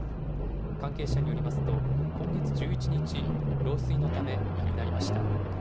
関係者によりますと、今月１１日、老衰のため亡くなりました。